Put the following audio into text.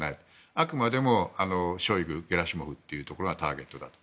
あくまでもショイグとゲラシモフがターゲットだと。